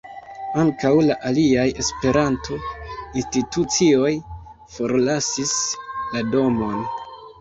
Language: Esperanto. Ankaŭ la aliaj Esperanto-institucioj forlasis la domon.